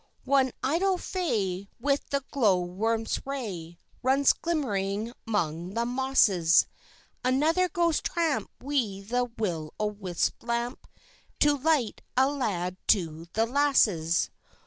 One idle Fay, with the glow worm's ray, Runs glimmering 'mong the mosses: Another goes tramp wi' the Will o wisps' lamp, To light a lad to the lasses.